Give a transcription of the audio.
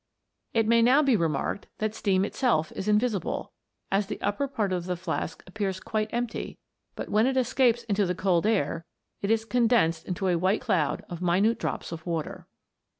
It may now be remarked that steam itself is invisible, as the upper part of the flask appears quite empty ; but when it escapes into the cold air it is condensed into a white cloud of minute drops of water.